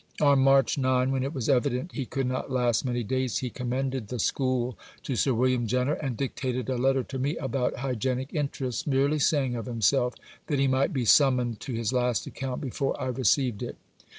On March 9, when it was evident he could not last many days, he commended the School to Sir William Jenner and dictated a letter to me about hygienic interests, merely saying of himself that he might be "summoned to his last account" before I received it.